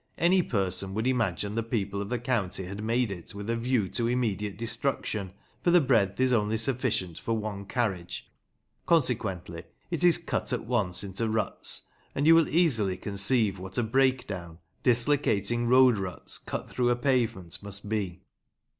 Any person would imagine the people of the county had made it with a view to immediate destruction, for the breadth is only sufficient for one carriage, consequently 74 MEMORIALS OF OLD LANCASHIRE it is cut at once into rutts, and you will easily conceive what a break down, dislocating road rutts cut through a pavement must be.